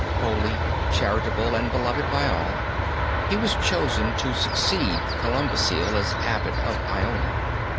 Holy, charitable, and beloved by all, he was chosen to succeed Columbcille as abbot of Iona.